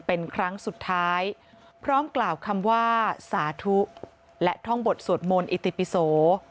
เป็นครั้งสุดท้ายพร้อมกล่าวคำว่าสาธุและท่องบทสวดมนต์อิติปิโส